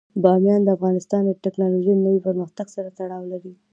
بامیان د افغانستان د تکنالوژۍ له نوي پرمختګ سره تړاو لري.